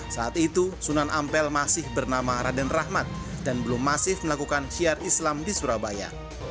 saat itu sunan ampel masih bernama raden rahmat dan belum masif melakukan syiar islam di surabaya